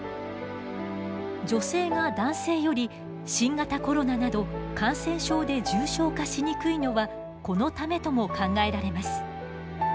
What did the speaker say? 女性が男性より新型コロナなど感染症で重症化しにくいのはこのためとも考えられます。